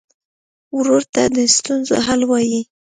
ورور ته د ستونزو حل وايي.